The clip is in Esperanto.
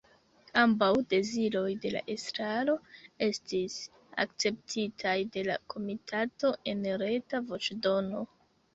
Ambaŭ deziroj de la estraro estis akceptitaj de la komitato en reta voĉdono.